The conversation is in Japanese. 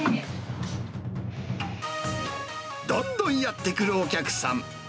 どんどんやって来るお客さん。